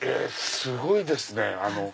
すごいですね！